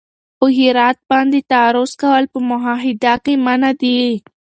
پر هرات باندې تعرض کول په معاهده کي منع دي.